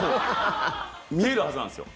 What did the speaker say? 見えるはずなんですよ。